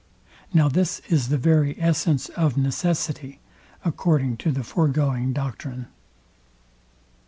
Now this is the very essence of necessity, according to the foregoing doctrine.